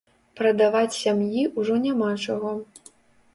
Прадаваць сям'і ўжо няма чаго.